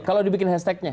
kalau dibikin hashtagnya